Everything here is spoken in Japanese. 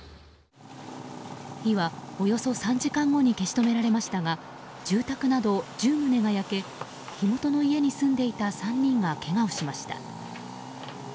火はおよそ３時間後に消し止められましたが住宅など１０棟が焼け火元の家に住んでいた３人がけがをしました。